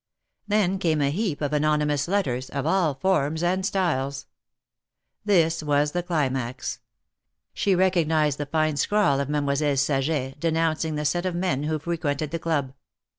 Then came a heap of anonymous letters, of all forms and styles. This was the climax. She recognized the fine scrawl of Mademoiselle Saget, denouncing the set of men who frequented the club.